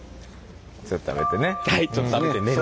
ちょっと食べてね。